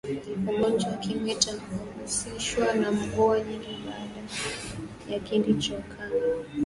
Ugonjwa wa kimeta uhusishwa na mvuaa nyingi baada ya kindi cha ukame